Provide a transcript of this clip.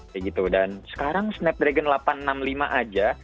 kayak gitu dan sekarang snapdragon delapan ratus enam puluh lima aja